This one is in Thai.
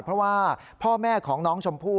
เพราะว่าพ่อแม่ของน้องชมพู่